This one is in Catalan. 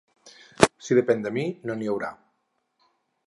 Si depèn de mi, no n’hi haurà.